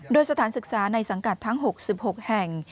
โดยสถานศึกษาในสังกัดทั้ง๖๖แห่ง